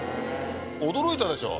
驚いたでしょ？